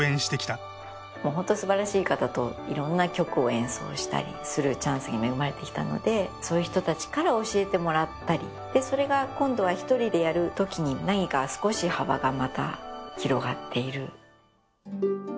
ホントすばらしい方といろんな曲を演奏したりするチャンスに恵まれてきたのでそういう人たちから教えてもらったりそれが今度は一人でやるときに何か少し幅がまた広がっている。